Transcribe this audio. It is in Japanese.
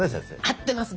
合ってます！